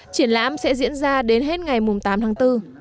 triển lãm sẽ diễn ra đến hết ngày tám tháng bốn